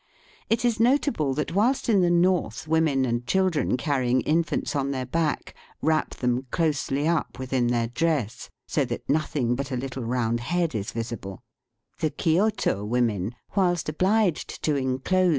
It is notable that, whilst in the north women and children carrying infants on their back wrap them closely up within their dress, so that nothing but a little round head is visible, the Kioto women, whilst obliged to enclose Digitized by VjOOQIC 62 EAST BY WEST.